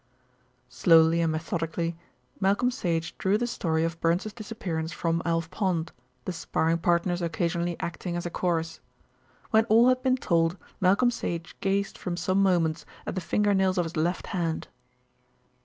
Slowly and methodically Malcolm Sage drew the story of Burns's disappearance from Alf Pond, the sparring partners occasionally acting as a chorus. When all had been told, Malcolm Sage gazed for some moments at the finger nails of his left hand.